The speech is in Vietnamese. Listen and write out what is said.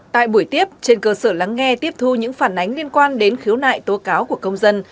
tại buổi tiếp trên cơ sở lắng nghe tiếp thu những phản ánh liên quan đến khiếu nại tố cáo của công dân